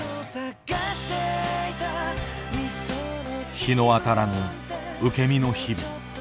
日の当たらぬ受け身の日々。